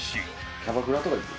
キャバクラとか行く？